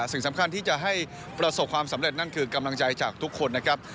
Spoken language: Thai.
สิ่งสำคัญที่จะให้ประสบความสำเร็จนั่นคือกำลังใจจากทุกคนนะครับ